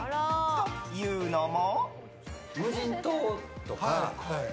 というのも。